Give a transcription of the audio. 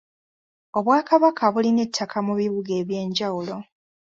Obwakabaka bulina ettaka mu bibuga eby'enjawulo.